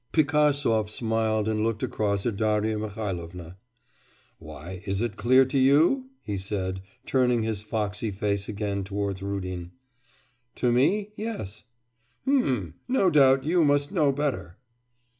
Pigasov smiled and looked across at Darya Mihailovna. 'Why, is it clear to you?' he said, turning his foxy face again towards Rudin. 'To me? Yes.' 'H'm. No doubt you must know better.